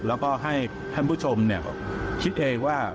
แล้วก็ให้ท่านผู้ชมคิดเองว่า